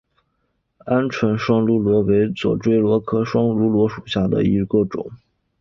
鹌鹑双珠螺为左锥螺科双珠螺属下的一个种。